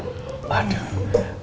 bu dausah ya bu